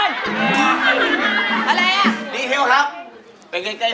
ดีเทียวครับ